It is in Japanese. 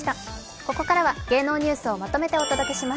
ここからは芸能ニュースをまとめてお届けします